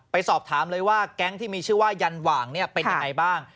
สอบถามเลยว่าแก๊งที่มีชื่อว่ายันหว่างเป็นยังไงบ้าง